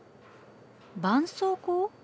ばんそうこう？